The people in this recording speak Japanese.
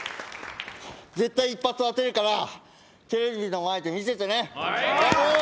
絶対一発当てるから、テレビの前で見ててね。